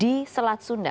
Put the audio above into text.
di selat sunda